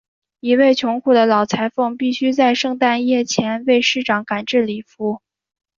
一位穷苦的老裁缝必须在圣诞夜前为市长赶制礼服。